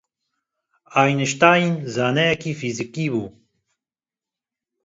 Eînişteyn zaneyekî fîzîkî bû